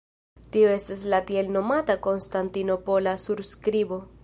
Tio estas la tielnomata Konstantinopola surskribo.